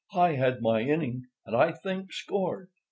"I had my inning, and, I think, scored.